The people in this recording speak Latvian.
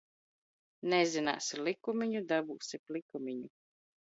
Nezin?si likumi?u, dab?si pa plikumi?u!